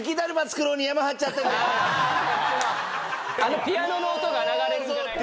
あのピアノの音が流れるんじゃないか。